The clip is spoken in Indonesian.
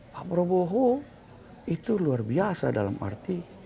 pak prabowo itu luar biasa dalam arti